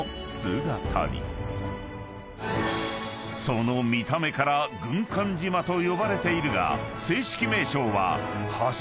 ［その見た目から軍艦島と呼ばれているが］